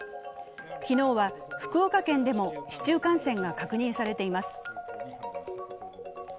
昨日は、福岡県でも市中感染が確認されています。